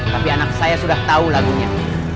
tapi anak saya sudah tahu lagunya